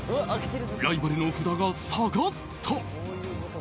ライバルの札が下がった。